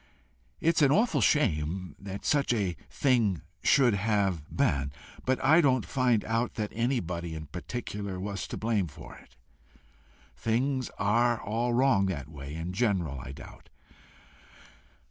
"It's an awful shame such a thing should have been, but I don't find out that anybody in particular was to blame for it. Things are all wrong that way, in general, I doubt.